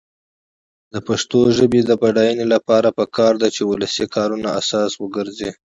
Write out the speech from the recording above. د پښتو ژبې د بډاینې لپاره پکار ده چې ولسي کارونه اساس وګرځي.